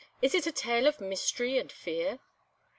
"Is it a tale of mystery and fear?"